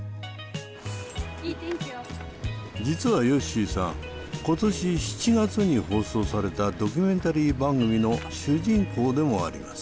実はよっしーさん今年７月に放送されたドキュメンタリー番組の主人公でもあります。